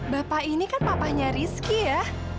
bapak ini kan papanya rizky ya